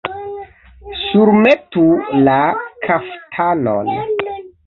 Surmetu la kaftanon!